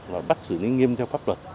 và bắt xử lý nghiêm theo pháp luật